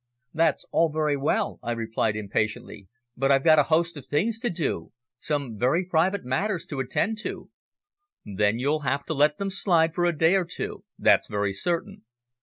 "That's all very well," I replied, impatiently, "but I've got a host of things to do, some private matters to attend to." "Then you'll have to let them slide for a day or two, that's very certain."